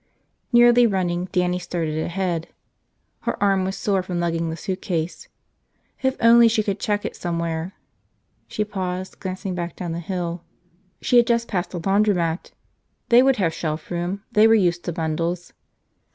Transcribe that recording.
Nearly running, Dannie started ahead. Her arm was sore from lugging the suitcase. If only she could check it somewhere! She paused, glancing back down the hill. She had just passed a laundromat. They would have shelf room, they were used to bundles.